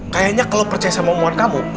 kayaknya kalau percaya sama muat kamu